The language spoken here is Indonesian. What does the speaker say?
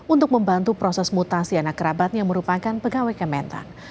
untuk membantu proses mutasi anak kerabat yang merupakan pegawai kementan